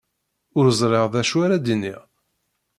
Ur ẓriɣ d acu ara d-iniɣ.